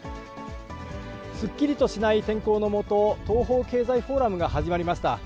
すっきりとしない天候の下、東方経済フォーラムが始まりました。